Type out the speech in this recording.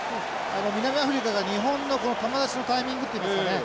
南アフリカが日本の球出しのタイミングといいますかね